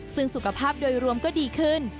ซึ่งสุขภาพโดยรวมก็ดีขึ้น